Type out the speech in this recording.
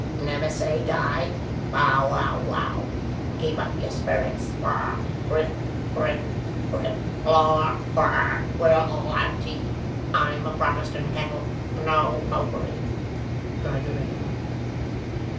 'Never say die, bow wow wow, keep up your spirits, Grip Grip Grip, Holloa! We'll all have tea, I'm a Protestant kettle, No Popery!' cried the raven.